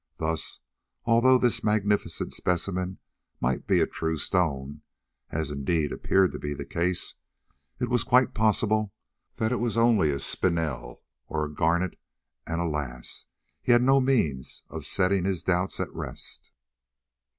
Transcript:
Thus, although this magnificent specimen might be a true stone, as indeed appeared to be the case, it was quite possible that it was only a spinel, or a garnet, and alas! he had no means of setting his doubts at rest.